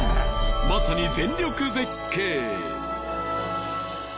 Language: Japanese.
まさに全力絶景！